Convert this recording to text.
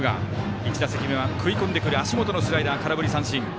１打席目は食い込んでくる足元のスライダー空振り三振。